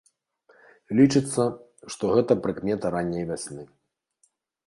Лічыцца, што гэта прыкмета ранняй вясны.